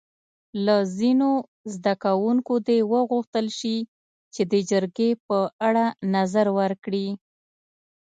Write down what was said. له ځینو زده کوونکو دې وغوښتل شي چې د جرګې په اړه نظر ورکړي.